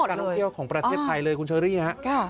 นักท่องเที่ยวของประเทศไทยเลยคุณเชอร์รี่ครับ